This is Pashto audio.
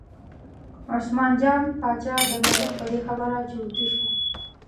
عثمان جان باچا د ملک په دې خبره چرتي شو.